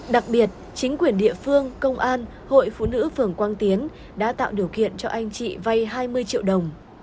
đặc biệt chính quyền địa phương công an hội phụ nữ phường quang tiến đã tạo điều kiện cho anh chị vay hai mươi triệu đồng